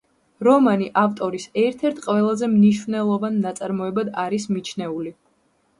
რომანი ავტორის ერთ-ერთ ყველაზე მნიშვნელოვან ნაწარმოებად არის მიჩნეული.